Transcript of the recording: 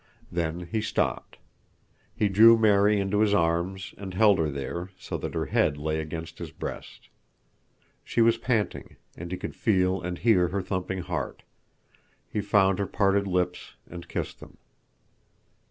Then he stopped. He drew Mary into his arms and held her there, so that her head lay against his breast. She was panting, and he could feel and hear her thumping heart. He found her parted lips and kissed them.